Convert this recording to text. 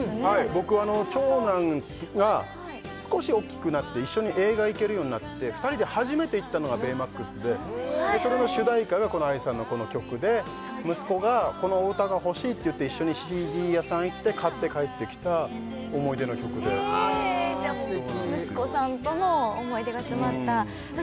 僕長男が少しおっきくなって一緒に映画行けるようになって２人で初めて行ったのが「ベイマックス」でそれの主題歌がこのＡＩさんのこの曲で息子が「このお歌が欲しい」って言って一緒にＣＤ屋さん行って買って帰ってきた思い出の曲でああ素敵へえじゃ息子さんとの思い出が詰まったさあ